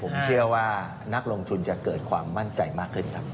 ผมเชื่อว่านักลงทุนจะเกิดความมั่นใจมากขึ้นครับ